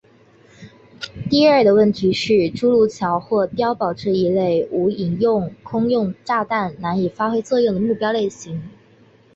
第二的问题是诸如桥或是碉堡这一类无导引空用炸弹难以发挥作用的目标类型。